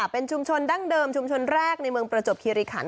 เป็นชุมชนดั้งเดิมชุมชนแรกในเมืองประจบคิริขัน